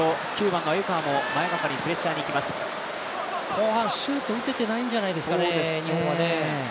後半、シュート打ててないんじゃないですかね、日本はね。